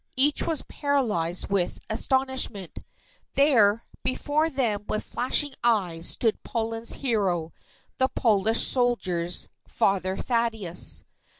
Each was paralyzed with astonishment. There, before them with flashing eyes, stood Poland's hero the Polish soldiers' "Father Thaddeus."